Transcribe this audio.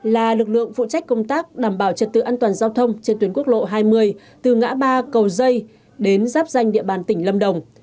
là lực lượng phụ trách công tác đảm bảo trật tự an toàn giao thông trên tuyến quốc lộ hai mươi từ ngã ba cầu dây đến giáp danh địa bàn tỉnh lâm đồng